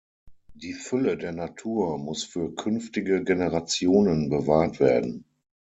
Die Fülle der Natur muss für künftige Generationen bewahrt werden.